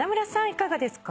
いかがですか？